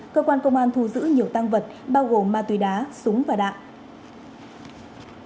cơ quan công an thu giữ nhiều tăng vật bao gồm ma túy đá súng và đạn